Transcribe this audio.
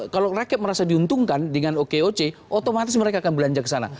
kalau rakyat merasa diuntungkan dengan okoc otomatis mereka akan belanja ke sana